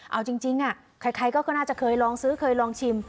เอาจริงใครก็น่าจะเคยลองซื้อเคยลองชิม